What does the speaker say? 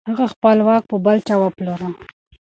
هغه خپل واک په بل چا وپلوره.